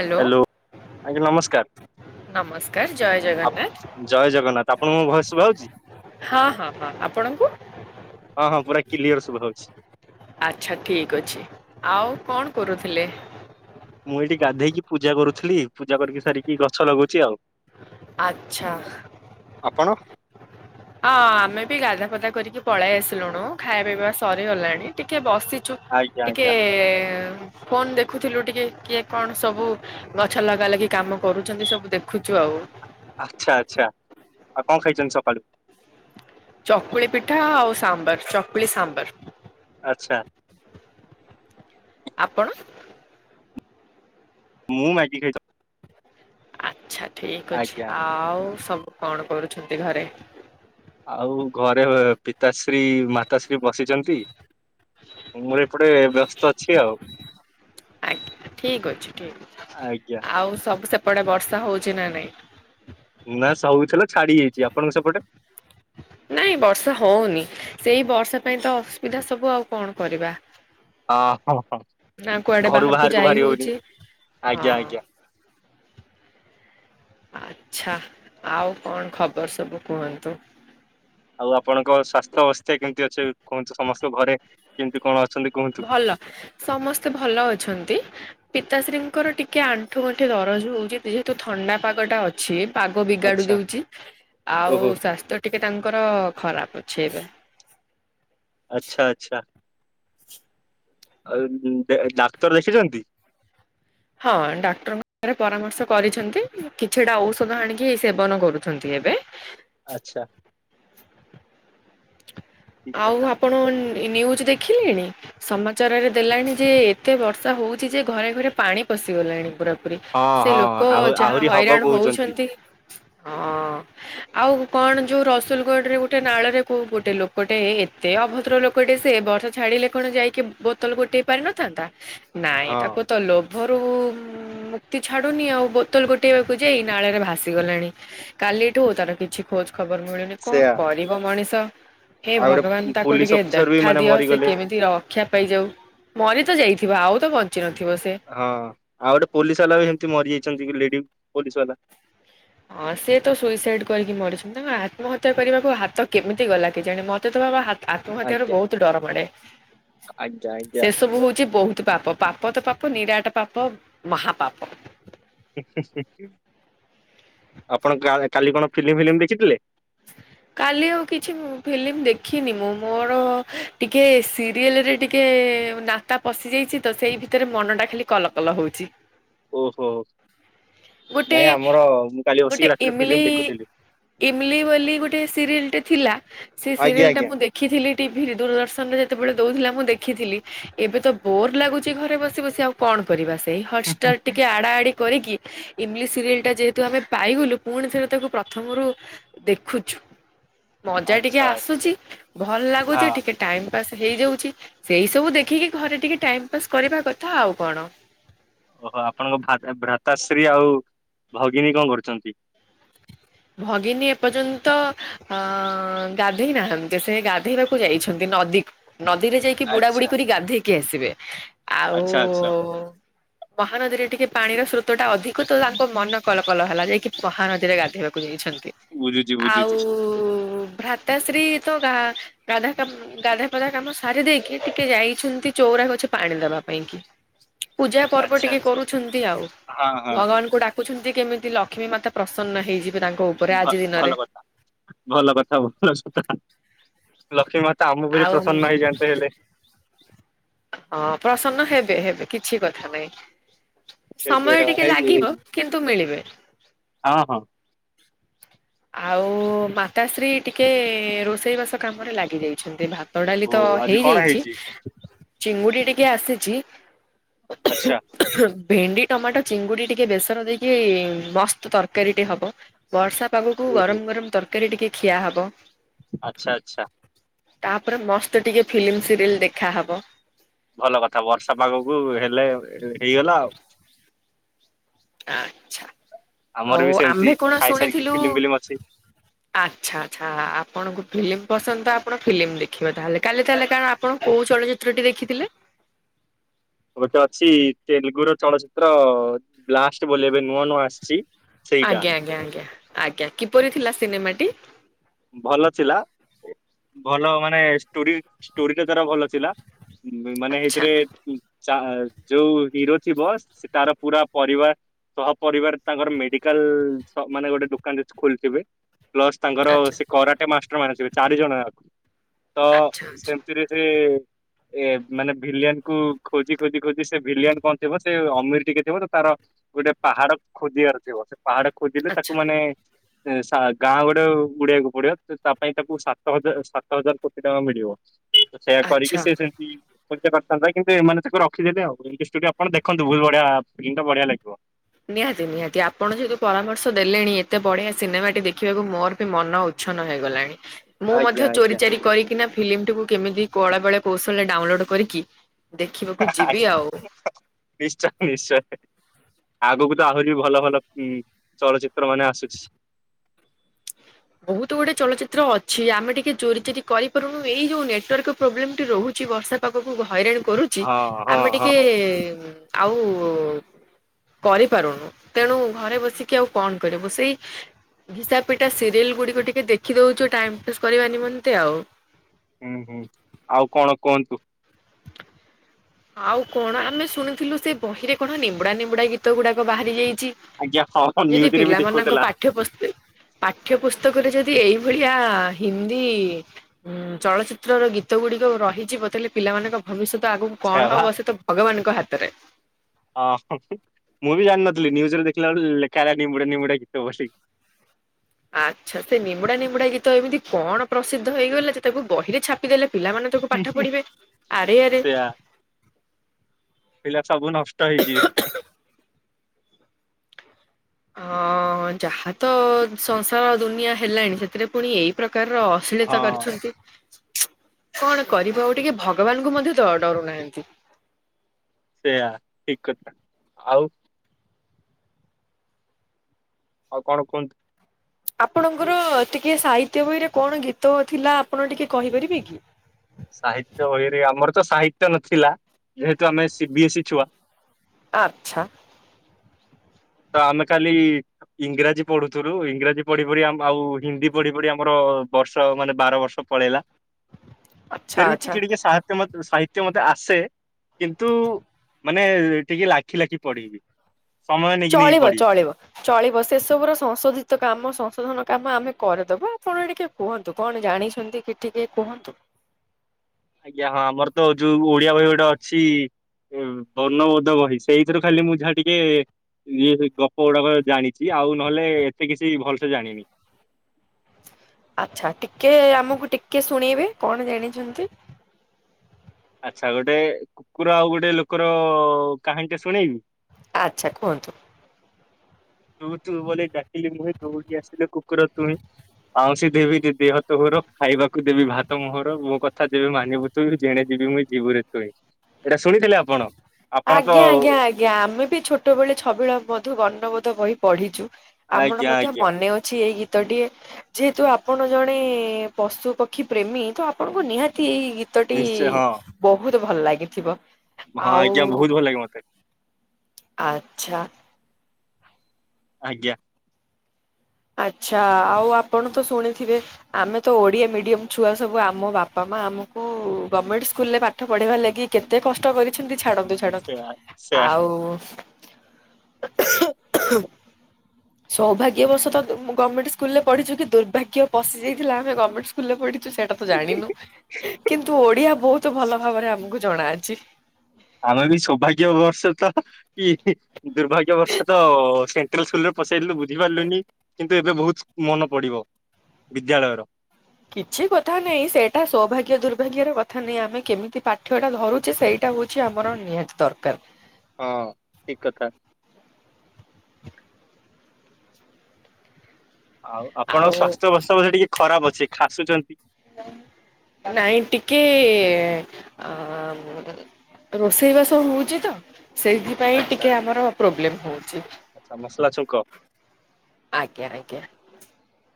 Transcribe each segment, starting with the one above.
Hello. ଆଜ୍ଞା ନମସ୍କାର। ନମସ୍କାର ଜୟ ଜଗ ଆପ ଜୟ ଜଗନ୍ନାଥ ଆପଣଙ୍କୁ ମୋ ଭୟସ ଶୁଭାଯାଉଛି? ହଁ ହଁ ହଁ ଆପଣଙ୍କୁ? ହଁ ହଁ ପୁରା କ୍ଲିୟର ଶୁଭା ହଉଛି। ଆଚ୍ଛା ଠିକ ଅଛି ଆଉ କଣ କରୁଥିଲେ? ମୁଁ ଏଇଠି ଗାଧେଇକି ପୂଜା କରୁଥିଲି ପୂଜା କରିକି ସାରିକି ଗଛ ଲଗୁଛି ଆଉ। ଆଚ୍ଛା। ଆପଣ? ଅଁ ଆମେ ବି ଗାଧା ଫଦା କରିକି ପଳେଇ ଆସିଲୁଣିୁ ଖାଇବା ପିଇବା ସରିଗଲାଣି ଟିକେ ବସିଛୁ। ଆଜ୍ଞା ଟିକେ ଆଜ୍ଞା ଫୋନ ଦେଖୁଥିଲୁ ଟିକେ କିଏ କଣ ସବୁ ଗଛ ଲଗା ଲାଗି କାମ କରୁଛନ୍ତି ସବୁ ଦେଖୁଛୁ ଆଉ। ଆଚ୍ଛା ଆଛା ଆଉ କଣ ଖାଇଛନ୍ତି ସକାଳୁ? ଚକୁଳି ପିଠା ଆଉ ସାମ୍ବର ଚକୁଳି ସାମ୍ବର। ଆଛା। ଆପଣ? ମୁଁ ମାଗି ଖାଇ ଠିକ ଅଛି ଆଜ୍ଞା ଆଉ ସବୁ କଣ କରୁଛନ୍ତି ଘରେ? ଆଉ ଘରେ ପିତାଶ୍ରୀ ମାତାଶ୍ରୀ ବସିଛନ୍ତି। ମୋର ଏପଟେ ବ୍ୟସ୍ତ ଅଛି ଆଉ। ଆଜ୍ଞା ଠିକ ଅଛି ଠିକ ଅଛି ଆଜ୍ଞା ଆଉ ସବୁ ସେପଟେ ବର୍ଷା ହଉଛି ନା ନାଇଁ? ନା ସବୁ ଥିଲା ଛାଡି ହେଇଛି, ଆପଣଙ୍କ ସେପଟେ? ନାଇଁ ବର୍ଷା ହଉନି ସେଇ ବର୍ଷା ପାଇଁ ତ ଅସୁବିଧା ସବୁ ଆଉ କଣ କରିବା। ଅହ ହ ନା କୁଆଡେ ଘରୁ ବାହାରକୁ ଯାଇ ବାହାରି ହଉନି, ହଉଛି ହଁ ଆଜ୍ଞା ଆଜ୍ଞା। ଆଚ୍ଛା ଆଉ କଣ ଖବର ସବୁ କୁହନ୍ତୁ? ଆଉ ଆପଣଙ୍କ ସ୍ୱାସ୍ଥ୍ୟ ଅବସ୍ଥା କେମିତି ଅଛି କୁହନ୍ତୁ ସମସ୍ତଙ୍କ ଘରେ କେମିତି କଣ ଅଛନ୍ତି? କୁହନ୍ତୁ? ଭଲ ସମସ୍ତେ ଭଲ ଅଛନ୍ତି। ପିତାଶ୍ରୀଙ୍କର ଟିକେ ଆଣ୍ଠୁ ଗଣ୍ଠି ଦରଜ ହଉଛି ଯେହେତୁ ଥଣ୍ଡା ପାଗ ଟା ଅଛି। ଅଛି ପାଗ ବିଗାଡୁ ଆଚ୍ଛା ଦଉଛି ଆଉ ଓହୋ ସ୍ୱାସ୍ଥ୍ୟ ଟିକେ ତାଙ୍କର ଖରା ଅଛି ଏବେ? ଆଚ୍ଛା ଆଛା ଆଉ ଡାକ୍ତର ଦେଖିଛନ୍ତି? ହଁ ଡାକ୍ତରଙ୍କଖରେ ପରାମର୍ଶ କରିଛନ୍ତି, କିଛିଟା ଔଷଧ ଆଣିକି ସେବନ କରୁଛନ୍ତି ଏବେ। ଆଛା। ଠିକ ଆଉ କଥା ଆପଣ ନ୍ୟୁଜ ଦେଖିଲେଣି? ସମାଚାରରେ ଦେଲାଣି ଯେ ଏତେ ବର୍ଷା ହଉଛି ଯେ ଘରେ ଘରେ ପାଣି ପଶି ଗଲାଣି ପୁରା। ହଁ ସେ ହଁ ଲୋକ ଆହୁ ଯାହା ଆହୁରି ହବ ହଇରାଣ କହୁଛନ୍ତି। ହଉଛନ୍ତି ହଁ ଆଉ କଣ ଯୋଉ ରସୁଲଗଡ ରେ ଗୋଟେ ନାଳରେ କ ଗୋଟେ ଲୋକଟେ ଏତେ ଅଭଦ୍ର ଲୋକଟେ ସେ ବର୍ଷା ଛାଡ଼ିଲେ କଣ ଯାଇକି ବହୁ ଗୋଟେଇ ପାରିନଥାନ୍ତା ନାଇଁ ହଁ ତାକୁ ତ ଲୋଭରୁ ମୁକ୍ତି ଛାଡୁନି ଆଉ ବୋତଲ ଗୋଟେଇବାକୁ ଯାଇ ନାଳ ରେ ଭାସି ଗଲାଣି କାଲିଠୁ ତାର କିଛି ଖୋଜ ଖବର ମିଳୁନି କଣ ସେୟା କରିବ ମଣିଷ। ହେ ଆଉ ଭଗବାନ ଗୋଟେ ତାକୁ ପୋଲିସ ଟିକେ ଅଫିସର ବି ଦେଖା ମାନେ ଦିଅ ସେ ମରିଗଲେ। କେମିତି ର ରକ୍ଷା ପାଇଯାଉ ମରି ତ ଯାଇଥିବ ଆଉ ତ ବଞ୍ଚି ନଥିବ ସେ ହଁ ଆଉ ଗୋଟେ ପୋଲିସ ବାଲା ବି ସେମିତି ମରିଯାଇଛନ୍ତି ଲେଡି ପୋଲିସ ବାଲା ହଁ ସେ ତ ସୁଇସାଇଡ କରିକି ମରିଛନ୍ତି ତାଙ୍କ ଆତ୍ମହତ୍ୟା କରିବାକୁ ହାତ କେମିତି ଗଲା କି ଜାଣେ ମତେ ତ ଆତ୍ମହତ୍ୟାର ଆଜ୍ଞା ବହୁତ ଡର ମାଡେ ଆଜ୍ଞା ଆଜ୍ଞା ସେ ସବୁ ହଉଛି ବହୁତ ପାପ। ପାପ ତ ପାପ ନିରାଟ ପାପ ମହା ପାପ। ଆପଣ କାଲି କଣ ଫିଲ୍ମ ଫିଲ୍ମ ଦେଖିଥିଲେ? ହ। କାଲି ଆଉ କିଛି ଫିଲ୍ମ ଦେଖିନି ମୁଁ ମୋର ଟିକେ ସିରିଏଲରେ ଟିକେ ନା ତା ପଶିଯାଇଛି ତ ସେଇ ଭିତରେ ମନଟା ଖାଲି କଲ କଲ ହଉଛି। ଓହୋ ଗୋଟେ ନାଇଁ ଆମର ମୁଁ କାଲି ଗୋଟେ ବସିକି ରାତିରେ ଫିଲ୍ମ ଦେଖୁଥିଲି। ଗୋଟ ସିଏ ଥିଲା ସେ ଆଜ୍ଞା ସିରିଏଲ୍ ଆଜ୍ଞା ଟାକୁ ଦେଖିଥିଲି ଟିଭିରେ ଦୂରଦର୍ଶନରେ ଯେତେବେଳେ ଦେଉଥିଲା ମୁଁ ଦେଖିଥିଲି। ଏବେ ତ ବୋର ଲାଗୁଛି ଘରେ ବସି ବସି ଆଉ କଣ କରିବା ସେଇ ହଟଷ୍ଟାର ଟିକେ ଆଡା ଆଡିି କରିକି ଇଂଲିଶ ସିରିଏଲ ଟା ଯେହେତୁ ଆମେ ପାଇଗଲୁ ପୁଣି ଥରେ ତାକୁ ପ୍ରଥମରୁ ଦେଖୁଛୁ ମଜା ଟିକେ ଆଚ୍ଛା ଆଚ୍ଛା ଆସୁଛି ଭଲ ହଁ। ଲାଗୁଛି ଟିକେ। ଟାଇମ ପାସ୍ ହେଇଯାଉଛି ସେଇ ସବୁ ଦେଖିକି ଘରେ ଟିକେ ଟାଇମ୍ ପାସ୍ କରିବା କଥା ଆଉ କଣ। ଓହୋ ଆପଣଙ୍କ ଭ ଭ୍ରାତାଶ୍ରୀ ଆଉ ଭଗିନୀ କଣ କରୁଛନ୍ତି? ଭଗିନୀ ଏପର୍ଯ୍ୟନ୍ତ ଅ ଗାଧେଇ ନାହାନ୍ତି ସେ ଗାଧେଇବାକୁ ଯାଇଛନ୍ତି ନଦୀକୁ। ନଦୀରେ ଯାଇକି ବୁଡ଼ା ବୁଡ଼ି ଆଚ୍ଛା କରି ଗାଧେଇକି ଆସିବେ ଆଉ ଆଚ୍ଛା ଆଚ୍ଛା ମହାନଦୀରେ ଟିକେ ପାଣିର ସ୍ରୋତ ଟା ଅଧିକ ତ ତାଙ୍କ ମନ କଲ କଲ ହେଲା ଯାଇକି ମହାନଦୀରେ ଗାଧୋଇବାକୁ। ଯଛନ୍ତି ବୁଝୁଛି ଆଉ ବୁଝୁଛି ଭ୍ରତାଶ୍ରୀ ତା ରାଧା କାମ ଗାଧାପଧା କାମ ସାରି ଦେଇକି ଟିକେ ଯାଇଛନ୍ତି ଚଉରାକ ଅଛି ପାଣି ଦବା ପାଇଁ କି। ପୂଜା ପର୍ବ ଆଚ୍ଛା ଟିକେ ଆଚ୍ଛା। କରୁଛନ୍ତି ଆଉ ହଁ ହଁ ହଁ ଭଗବାନଙ୍କୁ ଡା କୁଛନ୍ତି କେମିତି ଲକ୍ଷ୍ମୀ ମାତା ପ୍ରସନ୍ନ ହେଇଯିବେ ତାଙ୍କ ଉପ ଭ ଭଲ କଥା ଭଲ କଥା ଭଲ କଥା ଲକ୍ଷ୍ମୀ ମାତା ଆମ ଉପରେ ବି ଆଉ ପ୍ରସନ୍ନ ହେଇଯାନ୍ତେ ହେଲେ ହଁ ପ୍ରସନ୍ନ ହେବେ ହେବେ କିଛି କଥା ନାଇଁ। ଏବେ ସମୟ ହଁ ଟିକେ ହେଇଯିବେ ଲାଗିବ ହେଇଯିବେ କିନ୍ତୁ ମିଳିବେ। ହଁ ହଁ ଆଉ ମାତାଶ୍ରୀ ଟିକେ ରୋଷେଇବାସ କାମରେ ଲାଗି ଯାଇଛନ୍ତି ଭାତ ତ ଡାଲି ଓ ତ ଆଜି କଣ ହେଇଯାଇଛି ହେଇଛି ଚିଙ୍ଗୁଡି ଟିକେ ଆସିଛି। ଆଚ୍ଛା ଭେଣ୍ଡି ଟମାଟୋ ଚିଙ୍ଗୁଡି ଟିକେ ବେସନ ଦେଇକି ମସ୍ତ ତରକାରୀଟି ହବ। ବର୍ଷା ପାାଗକୁ ଓହୋ। ଗରମ ଗରମ ତରକାରୀ ଟିକେ ଖିଆ ହବ। ଆଛା ଆଚ୍ଛା ତାପରେ ମସ୍ତେ ଟିକେ ଫିଲ୍ମ ସିରିଏଲ ଦେଖାହବ। ଭଲ କଥା ବର୍ଷା ପାଗକୁ ହେଲେ ହେଇଗଲା ଆଉ। ଆଛା ଆମର ଆଉ ବି ସେମିତି ଆମେ କଣ ଖାଇସାରିକି ଶୁଣିଥିଲୁ ଫିଲ୍ମ ଫିଲ୍ମ ଅଛି। ଆଚ୍ଛା ଆଚ୍ଛା ଆପଣଙ୍କୁ ଫିଲ୍ମ ପସନ୍ଦ ତ ଆପଣ ଫିଲ୍ମ ଦେଖିବେ ତାହେଲେ କାଲି ତାହେଲେ କାରଣ ଆପଣ କୋଉ ଚଳଚ ଚିତ୍ରଟି ଦେଖିଥିଲେ। ଖ ଅଛି ତେଲୁଗୁ ର ଚଳଚିତ୍ର ବ୍ଲାଷ୍ଟ ବୋଲି ଏବେ ନୂଆ ନୂଆ ଆସିଛି। ସେଇଟା। ଆଜ୍ଞା ଆଜ୍ଞା ଆଜ୍ଞା ଆଜ୍ଞା କିପରି ଥିଲା ସିନେମାଟି? ଭଲ ଥିଲା ଭଲ ମାନେ ଷ୍ଟୋରୀଟା ତାର ଭଲ ଥିଲା। ହ ମାନେ ଆଚ୍ଛା ହେଇଥିରେ ଚା ଜଉ ହିରୋ ଥିବ ସେ ତାର ପୁରା ପରିବାର ସହ ପରରିବାର ତାଙ୍କର ମେଡିକାଲ ସ ମାନେ ଗୋଟେ ଦୋକାନଟେ ସେ ଖୋଲିଥିବେ। ପ୍ଲସ୍ ତାଙ୍କର ଆଚ୍ଛା ସେ କରାଟେ ମାଷ୍ଟର ମାନେଥିବେ ଚାରି ଜଣ ଯାକ ତ ଆଚ୍ଛା ସେ ସେଥିରେ ଏ ଏ ମାନେ ଭିଲିଆନ କୁ ଖୋଜି ଖୋଜି ଖୋଜି ସେ ଭିଲିଆନ କଣ ଥିବ ସେ ଅମିର ଟିକେ ଥିବ ତ ତାର ଗୋଟେ ପାହାଡ ଖୋଜିବାର ଥିବ ସେ ପାହାଡ ଖୋଜିଲେ ଆଚ୍ଛା ତାକୁ ମାନେ ସା ଗାଁ ଗୋଡେ ଗୁଡିଆକୁ ପଡିବ ତା ପାଇଁ ତାକୁ ସାତ ହଜାର ସାତ ହଜାର କୋଟି ଟଙ୍କା ମିଳିବ ସେଇୟା ଆଚ୍ଛା କରିକି ସେ କରିତେ ପାରିଥାନ୍ତା କିନ୍ତୁ ଏମାନେ ତାକୁ ରଖିଦେଲେ ଆଉ। ଏମିତିଆ ଷ୍ଟୋରି ଆପଣ ଦେଖନ୍ତୁ ବହୁତ ବଢିଆ ଫିଲ୍ମଟା ବଢିଆ ଲାଗିବ। ନିହାତି ନିହାତି ଆପଣ ଯେହେତୁ ପରାମର୍ଶ ଦେଲେଣି ଏତେ ବଢିଆ ସିନେମାଟି ଦେଖିବାକୁ ମୋର ବି ମନ ଉଚ୍ଛନ ହେଇ ଗଲାଣି। ହ [inaudible] ମୁଁ ଆଜ୍ଞା ମଧ୍ୟ ଚୋରି ଆଜ୍ଞା। ଚାରି କରିକି ନା ଫିଲ୍ମ ଟିକୁ କେମିତି କଳେ ବଳେ କୌଶଳେ ଡାଉନ୍ ଲୋଡ୍ କରିକି ଦେଖିବାକୁ ଯିବି ଆଉ। ନିଶ୍ଚୟ ନିଶ୍ଚୟ। ଆଗକୁ ତ ଆହୁରି ଭଲ ଭଲ ଉ ଚଳଚିତ୍ର ମାନେ ଆସୁଛି। ବହୁତ ଗୁଡେ ଚଳଚିତ୍ର ଅଛି ଆମେ ଟିକେ ଚୋରି ଚୋରି କରିପାରୁନୁ ଏଇ ଯୋଉ ନେଟୱାର୍କ ପ୍ରୋବ୍ଲେମ ଟି ରହୁଛି ବର୍ଷା ପାଗକୁ ହଇରାଣ କରୁଛି ହଁ ହଁ ଆମେ ହଁ ଟିକେ ଆଉ କରିପାରୁନୁ ତେଣୁ ଘରେ ବସିକି ଆଉ କଣ କରିବୁ ସେଇ ଘିଶା ପିଟା ରିଲ୍ ଗୁଡିକ ଟିକେ ଦେଖିଦଉଛୁ ଟାଇମ ପାସ୍ କରିବା ନିମନ୍ତେ ଆଉ। ହୁଁ ହୁଁ। ଆଉ କଣ କୁହନ୍ତୁ? ଆଉ କଣ ଆମେ ଶୁଣିଥିଲୁ ସେ ବହିରେ କଣ ନିମ୍ବୁଡା ନିମ୍ବୁଡା ଗୀତ ଗୁଡାକ ବାହାରି ଯାଇଛି। ଆଜ୍ଞା ହଁ ନ୍ୟୁଜରେ ବି ଦେଖଉ ଥିଲା। ପାଠ ପୁ ପାଠ୍ୟ ପୁସ୍ତକରେ ଯଦି ଏଇଭଳିଆ ହିନ୍ଦୀ ହୁଁ ଚଳଚିତ୍ର ର ଗୀତ ଗୁଡିକ ରହିଜୀବ ତାହେଲେ ପିଲାମାନଙ୍କ ଭବିଷ୍ୟତ ଆଗକୁ ସେୟା କଣ ବା ହବ ସେ ତ ଭଗବାନଙ୍କ ହାତରେ। ହଁ ମୁଁ ବି ଜାଣିିନଥିଲି ନ୍ୟୁଜରେ ଦେଖିଲା ବେଳକୁ ଲେଖା ହେଲା ନିମ୍ବୁଡ଼ା ନିମ୍ବୁଡା ଗୀତ ବୋଲି। ଆଚ୍ଛା ସେ ନିମ୍ବୁଡା ନିମ୍ବୁଡା ଗୀତ ଏମିତି କଣ ପ୍ରସିଦ୍ଧ ହେଇଗଲା ଯେ ତାକୁ ବହିରେ ଛାପିଦେଲେ ପିଲାମାନଙ୍କ ତାକୁ ପାଠ ପଢ଼ିବେ ଆରେ ଆରେ ସେୟା ପିଲା ସବୁ ନଷ୍ଟ ହେଇଯିବେ। ଅ ଯାହା ତ ସଂସାର ଦୁନିଆ ହେଲାଣି ସେଥିରେ ପୁଣି ଏଇ ପ୍ରକାରର ଅସିଲି ତ ହଁ। କରିଛନ୍ତି କଣ କରିବ ଟିକେ ଭଗବାନଙ୍କୁ ମଧ୍ୟ ଡରୁନାହାନ୍ତି। ସେଇଆ ଠିକ୍ କଥା ଆଉ ଆଉ କଣ କୁହନ୍ତୁ? ଆପଣଙ୍କର ଟିକେ ସାହିତ୍ୟ ବହିରେ କଣ ଗୀତ ଥିଲା ଆପଣ ଟିକେ କହିପାରିବେ କି? ସାହିତ୍ୟ ବହିରେ ଆମର ତ ସାହିତ୍ୟ ନ ଥିଲା ଯେହେତୁ ଆମେ ଶି ବି ଏ ସି ଇ ଛୁଆ। ଆଛା। ତ ଆମେ ଖାଲି ଇଂରାଜୀ ପଢୁଥିଲୁ ଇଂରାଜୀ ପଢି ପଢିଆମ ଆଉ ହିନ୍ଦୀ ପଢି ପଢି ଆମର ବର୍ଷ ମାନେ ବାର ବର୍ଷ ପଳେଇଲା। ଆଚ୍ଛା ଫିର୍ ବି ଆଚ୍ଛା ଟିକେ ଟିକେ ସାହା ସାହିତ୍ୟ ମତେ ଆସେ କିନ୍ତୁ ମାନେ ଟିକେ ଲାଖି ଲାଖି ପଢ଼ିବି। ସମୟ। ଚଳିବ ଚଳିବ। ଚଳିବ ସେ ସବୁର ସଂଶୋଧିତ କାମ ସଂଶୋଧନ କାମ ଆମେ କରିଦବୁ ଆପଣ ଟିକେ କୁହନ୍ତୁ କଣ ଜାଣିଛନ୍ତି କି ଟିକେ କୁହନ୍ତୁ? ଆଜ୍ଞା ହଁ ଆମର ତ ଯୋଉ ଓଡିଆ ବହି ଗୋଟେ ଅଛି। ଇଁ ବର୍ଣ୍ଣବୋଧ ବହି ସେଇଥିରୁ ଖାଲି ମୁଁ ଯାହା ଟିକେ ଇଏ ସେ ଗପ ଗୁଡାକ ଜାଣିଚି ଆଉ ନହେଲେ ଏତେ କିଛି ଭଲସେ ଜାଣିନି। ଆଚ୍ଛା ଟିକେ ଆମକୁ ଟିକେ ଶୁଣେଇବେ କଣ ଜାଣିଛନ୍ତି? ଆଚ୍ଛା ଗୋଟେ କୁକୁର ଆଉ ଗୋଟେ ଲୋକର କାହାଣୀ ଟେ ଶୁଣେଇବି। ଆଚ୍ଛା କୁହନ୍ତୁ। ତୁ ତୁ ବୋଲେ ଡାକିଲି ମୁହିଁ ଦଉଡ଼ି ଆସିଲୁ କୁକୁର ତୁହି। ଆଉଁସି ଦେବି ଦେ ଦେହ ତୋହର ଖାଇବାକୁ ଦେବି ଭାତ ମୋହର। ମୋ କଥା ଯେବେ ମାନିବୁ ତୁହି ଯେଣେ ଯିବି ମୁଁ ଯିବୁରେ ତୁହି। ଏଇଟା ଶୁଣିଥିଲେ ଆପଣ। ଆପଣ ତ ଆଜ୍ଞା ଆଜ୍ଞା ଆଜ୍ଞା ଆମେ ବି ଛୋଟ ବେଳେ ଛବିଳ ମଧୁ ବର୍ଣ୍ଣବୋଧ ବହି ପଢ଼ିଚୁ। ଆମର ଆଜ୍ଞା ମଧ୍ୟ ଆଜ୍ଞା ମନେ ଅଛି ଏଇ ଗୀ ଗୀତଟିଏ ଯେହେତୁ ଆପଣ ଜଣେ ପଶୁପକ୍ଷୀ ପ୍ରେମୀ ତ ଆପଣଙ୍କୁ ନିହାତି ଏଇ ଗୀ ଗୀତଟି ନିଶ୍ଚୟ ହଁ ବହୁତ ଭଲ ଲାଗିଥିବ। ହଁ ଆଉ ଆଜ୍ଞା ବହୁତ ଭଲ ଲାଗେ ମତେ। ଆଚ୍ଛା। ଆଜ୍ଞା। ଆଚ୍ଛା ଆଉ ଆପଣ ତ ଶୁଣିଥିବେ। ଆମେ ତ ଓଡିଆ ମିଡିମମ ଛୁଆ ସବୁ ଆମ ବାପା ମା ଆମକୁ ଗମେଣ୍ଟ ସ୍କୁଲରେ ପା ଠ ପଢିବାର ଲାଗି କେତେ କଷ୍ଟ କରିଛନ୍ତି ଛାଡନ୍ତୁ ଛାଡନ୍ତୁ ସେୟା ସେୟା ଆଉ ସୌଭାଗ୍ୟ ବର୍ଷ ତ ମୁଁ ଗମେଣ୍ଟ ସ୍କୁଲରେ ପଢିଛୁ ଦୁରଭାଗ୍ୟ ପଶି ଯାଇଥିଲା ଆମେ ଗମେଣ୍ଟ ସ୍କୁ ସ୍କୁଲରେ ପଢିଛୁ ସେଇଟା ତ ଜାଣିନୁ କିନ୍ତୁ ଓଡିଆ ବହୁତ ଭଲ ଭାବରେ ଆମକୁ ଜଣାଅଛି। ଆମେ ବି ସୌଭାଗ୍ୟ ବର୍ଷ ତ କି ଦୁର୍ଭାଗ୍ୟ ବର୍ଷ ତ ସେଣ୍ଟ୍ରାଲ ସ୍କୁଲରେ ପସାରିଲେ ତ ବୁଝି ପାରିଲୁିନି କିନ୍ତୁ ଏବେ ବହୁତ ମନ ପଡିବ ବିଦ୍ୟାଳୟର। କିଛି କଥା ନାଇଁ ସେଇଟା ସୌଭାଗ୍ୟ ଦୁର୍ଭାଗ୍ୟର କଥା ନାହିଁ ଆମେ କେମିତି ପାଠ୍ୟଟା ଧରୁଛେ ସେଇ ଏଇଟା ହଉଛି ଆମର ନିହାତି ଦରକାର। ହଁ ଠିକ କଥା। ଆଉ ଆପଣଙ୍କ ସ୍ୱାସ୍ଥ୍ୟ ଅବସ୍ଥା ବୋଧେ ଟିକେ ଖରାପ ଅଛି ଖାସୁଛନ୍ତି। ନାଇଁ ଟିକେ ଆ ରୋଷେଇବାସ ହଉଛି ତ ସେଇଥିପାଇଁ ଟିକେ ଆମର ପ୍ରୋବ୍ଲେମ ହଉଛି। ଆ ମସଲା ଛୁଙ୍କ। ଆଜ୍ଞା ଆଜ୍ଞା।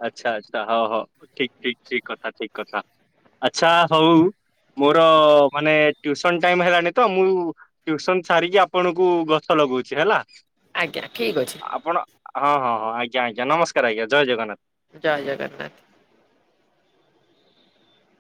ଆଚ୍ଛା ଆଚ୍ଛା ହଁ ହଁ ଠିକ ଠିକ ଠିକ କଥା ଠିକ କଥା ଆଚ୍ଛା ହଉ। ମୋର ମାନେ ଟ୍ୟୁସନ ଟାଇମ ହେଲାଣି ତ ମୁଁ ଟ୍ୟୁସନ ଛାରିକି ଆପଣଙ୍କୁ ଗଛ ଲଗଉଛି ହେଲା। ଆଜ୍ଞା ଠିକ୍ ଅଛି। ଆପଣ ହଁ ହଁ ହଁ ଆଜ୍ଞା ଆଜ୍ଞା ନମସ୍କାର ଆଜ୍ଞା ଜୟ ଜଗନ୍ନାଥ। ଜୟ ଜଗନ୍ନାଥ।